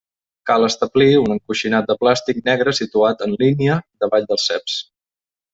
Cal establir un encoixinat de plàstic negre situat en línia davall dels ceps.